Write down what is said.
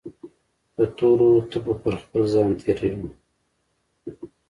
دتورو تبو پرخپل ځان تیروي